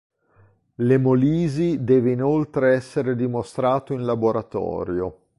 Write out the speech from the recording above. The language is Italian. L'emolisi deve inoltre essere dimostrato in laboratorio.